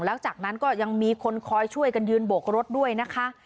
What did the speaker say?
แล้วจากนั้นก็ยังมีคนคอยช่วยกันยืนโบกรถด้วยนะคะ